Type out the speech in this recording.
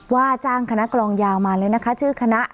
ว่าจ้างคณะกรองยาวมาเลยนะคะ